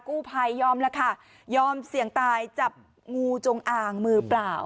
กู้ภัยยอมแล้วค่ะยอมเสี่ยงตายจับงูจงอางมือเปล่า